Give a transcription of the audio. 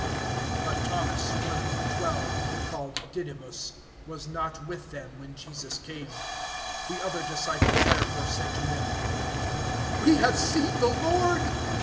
(24)But Thomas, one of the twelve, called Didymus, was not with them when Jesus came. (25)The other disciples therefore said to him: We have seen the Lord.